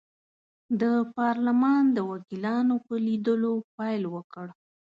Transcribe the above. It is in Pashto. د پارلمان د وکیلانو په لیدلو پیل وکړ.